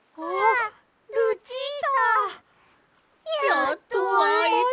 やっとあえた！